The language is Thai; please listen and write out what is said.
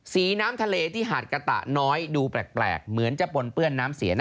น้ำทะเลที่หาดกะตะน้อยดูแปลกเหมือนจะปนเปื้อนน้ำเสียนะ